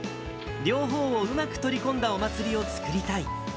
両方をうまく取り込んだお祭りを作りたい。